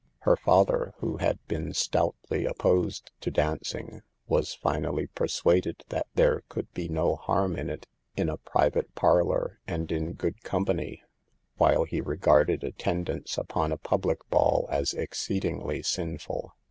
Her father, who had been stoutly opposed to danc ing, was finally persuaded that there could be no harm in it in a private parlor and in good company, while he regarded attendance upon a public ball as exceedingly sinful.